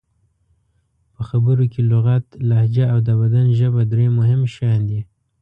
په خبرو کې لغت، لهجه او د بدن ژبه درې مهم شیان دي.